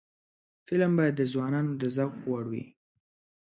فلم باید د ځوانانو د ذوق وړ وي